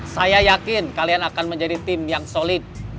saya yakin kalian akan menjadi tim yang solid